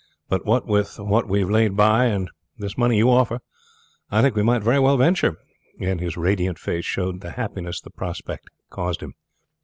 But what with what we have laid by, and this money you offer, I think we might very well venture," and his radiant face showed the happiness the prospect caused him.